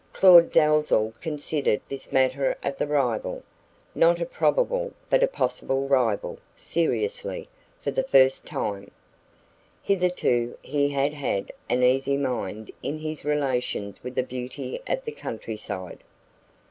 Claud Dalzell considered this matter of the rival not a probable but a possible rival seriously, for the first time. Hitherto he had had an easy mind in his relations with the beauty of the countryside.